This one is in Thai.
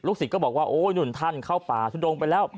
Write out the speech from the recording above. ศิษย์ก็บอกว่าโอ๊ยนุ่นท่านเข้าป่าทุดงไปแล้ว